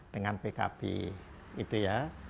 dengan pkb gitu ya